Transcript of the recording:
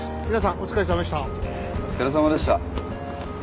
お疲れさまでした。